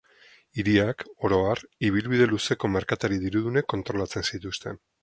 Hiriak, oro har, ibilbide luzeko merkatari dirudunek kontrolatzen zituzten.